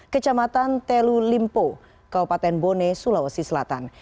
kecamatan telu limpo kabupaten bone sulawesi selatan